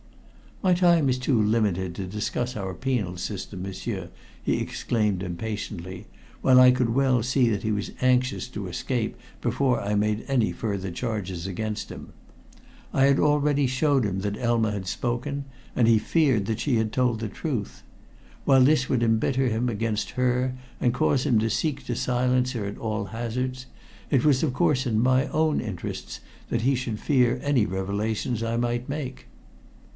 "My time is too limited to discuss our penal system, m'sieur," he exclaimed impatiently, while I could well see that he was anxious to escape before I made any further charges against him. I had already shown him that Elma had spoken, and he feared that she had told the truth. While this would embitter him against her and cause him to seek to silence her at all hazards, it was of course in my own interests that he should fear any revelations that I might make.